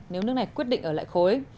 nếu nước này quyết định ở lại khối